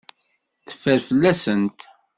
Teffer fell-asent.